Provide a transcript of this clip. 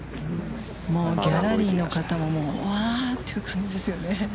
もうギャラリーの方も、わぁー、うわーという感じですよね。